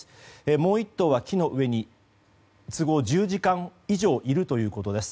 もう１頭は木の上に１０時間以上いるということです。